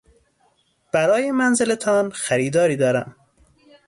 برای منزلتان خریداری دارم.